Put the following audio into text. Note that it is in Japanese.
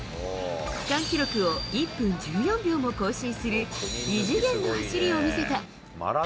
区間記録を１分１４秒も更新する、異次元の走りを見せた。